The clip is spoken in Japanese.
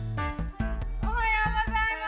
おはようございます！